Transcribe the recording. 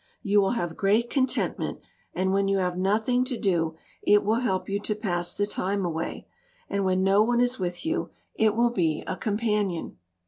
You will have great contentment, and when you have nothing to do it will help you to pass the time away, and when no one is with you it will be a companion.